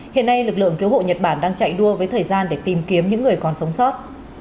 hiện nay lực lượng cứu hộ nhật bản đang chạy đua với thời gian để tìm kiếm những người còn sống sót